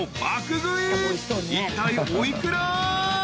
［いったいお幾ら？］